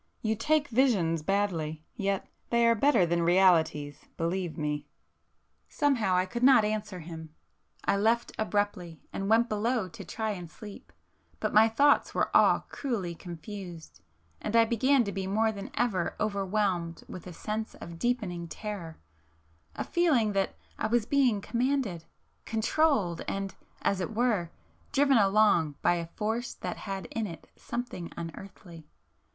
You take visions badly,—yet they are better than realities, believe me!" Somehow I could not answer him. I left him abruptly and went below to try and sleep, but my thoughts were all cruelly confused, and I began to be more than ever overwhelmed with a sense of deepening terror,—a feeling that I was being commanded, controlled and, as it were, driven along by a force that had in it something unearthly.